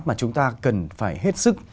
mà chúng ta cần phải hết sức